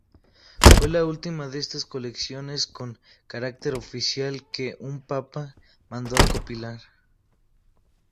Fue la última de estas colecciones con carácter oficial que un Papa mandó compilar.